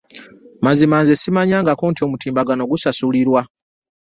Mazima nze ssimanyangako nti omutimbagano gusasulirwa!